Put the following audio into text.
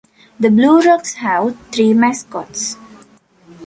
The Blue Rocks have three mascots.